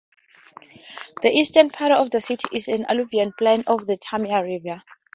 The eastern part of the city is an alluvial plain of the Tama River.